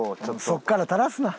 そっから垂らすな。